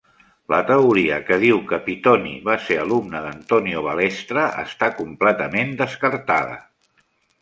La teoria que diu que Pittoni va ser alumne d'Antonio Balestra està completament descartada.